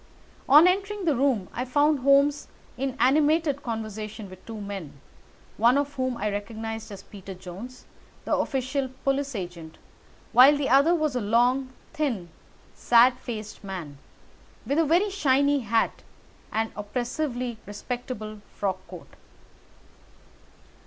On entering his room, I found Holmes in animated conversation with two men, one of whom I recognised as Peter Jones, the official police agent, while the other was a long, thin, sad faced man, with a very shiny hat and oppressively respectable frock coat.